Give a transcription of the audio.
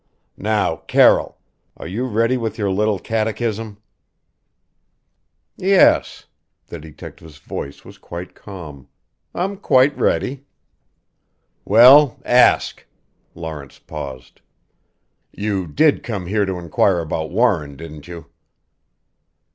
Now, Carroll are you ready with your little catechism?" "Yes." The detective's voice was quite calm. "I'm quite ready." "Well ask." Lawrence paused. "You did come here to inquire about Warren, didn't you?"